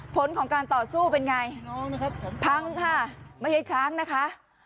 ผลของการต่อสู้เป็นไงพังค่ะไม่ใช่ช้างนะคะ